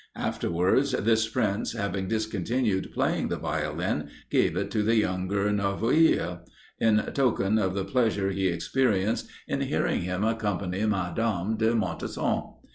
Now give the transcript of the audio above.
Afterwards, this prince, having discontinued playing the Violin, gave it to the younger Novoigille, in token of the pleasure he experienced in hearing him accompany Madame de Montesson.